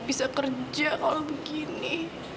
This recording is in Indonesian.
bisa kerja kalau begini